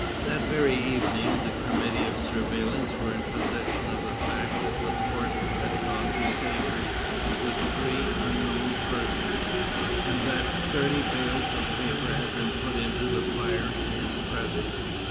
That very evening the committee of surveillance were in possession of the fact that Laporte had gone to Sèvres with three unknown persons, and that thirty bales of paper had been put into the fire in his presence.